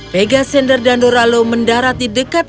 vegasender dan doralo mendarat di dekat